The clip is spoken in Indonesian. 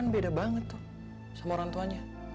beda banget tuh sama orang tuanya